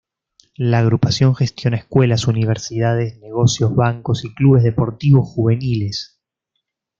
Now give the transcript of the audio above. La agrupación gestiona escuelas, universidades, negocios, bancos y clubes deportivos juveniles.